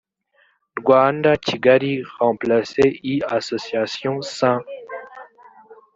rwanda kigali remplace l association sans